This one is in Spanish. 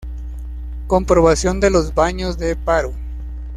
Comprobación de los baños de paro.